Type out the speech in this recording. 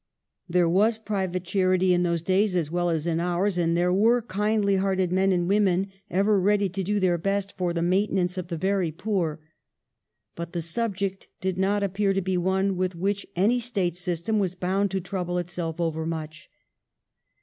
There was private charity in those days as well as in ours, and there were kindly hearted men and women ever ready to do their best for the maintenance of the very poor ; but the subject did not appear to be one with which any State system was bound to trouble itself overmuch.